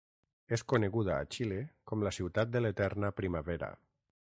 És coneguda a Xile com la Ciutat de l'Eterna Primavera.